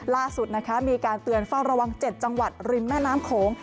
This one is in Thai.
ล่าสุดนะคะมีการเตือนเฝ้าระวัง๗จังหวัดริมแม่น้ำโขง